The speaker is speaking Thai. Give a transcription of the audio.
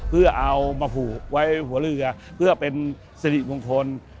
เพื่อเอามาผูกไว้หัวเรือเพื่อเป็นสิริมงคล